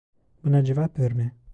Buna cevap verme.